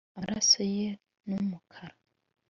amaraso ye n'umukara